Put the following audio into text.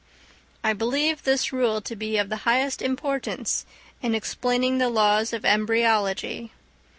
I believe this rule to be of the highest importance in explaining the laws of embryology.